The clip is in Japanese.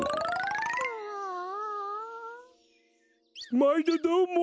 まいどどうも！